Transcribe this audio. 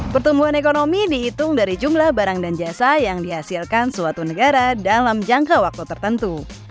pertumbuhan ekonomi dihitung dari jumlah barang dan jasa yang dihasilkan suatu negara dalam jangka waktu tertentu